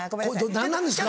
何なんですか？